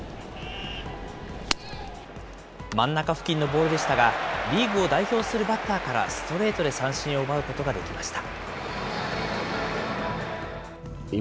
真ん中付近のボールでしたが、リーグを代表するバッターからストレートで三振を奪うことができました。